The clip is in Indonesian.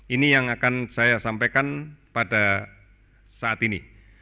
ini yang akan saya sampaikan pada saat ini